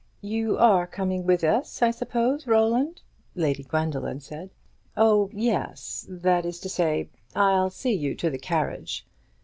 "You are coming with us, I suppose, Roland?" Lady Gwendoline said. "Oh, yes, that is to say. I'll see you to the carriage."